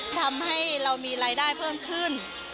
ทำให้เรามีรายได้เพิ่มขึ้น